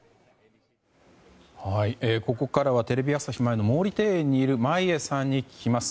ここからはテレビ朝日前の毛利庭園にいる眞家さんに聞きます。